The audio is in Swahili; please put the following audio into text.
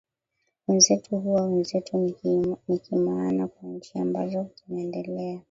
wenzetu huwa wenzetu nikimaana kwa nchi ambazo zimeendelea